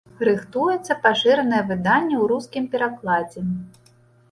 Рыхтуецца пашыранае выданне ў рускім перакладзе.